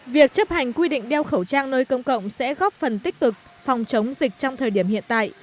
việc chấp hành quy định đeo khẩu trang nơi công cộng sẽ góp phần tích cực phòng chống dịch trong thời điểm hiện tại